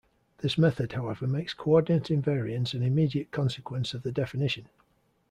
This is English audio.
This method, however, makes coordinate invariance an immediate consequence of the definition.